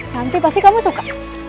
nanti pasti kamu suka